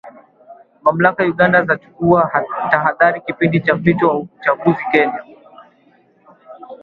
Mamlaka Uganda zachukua tahadhari kipindi cha mpito wa uchaguzi Kenya